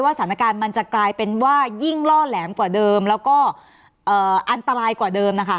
สถานการณ์มันจะกลายเป็นว่ายิ่งล่อแหลมกว่าเดิมแล้วก็อันตรายกว่าเดิมนะคะ